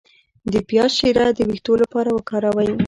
د پیاز شیره د ویښتو لپاره وکاروئ